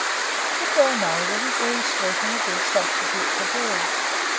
If well made, it is very sweet and a good substitute for bread.